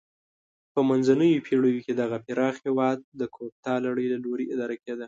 په منځنیو پیړیو کې دغه پراخ هېواد د کوپتا لړۍ له لوري اداره کېده.